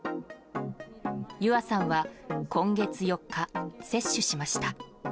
結愛さんは今月４日接種しました。